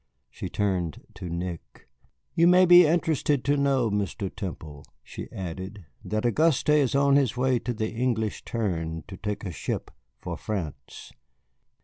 She turned to Nick. "You may be interested to know, Mr. Temple," she added, "that Auguste is on his way to the English Turn to take ship for France."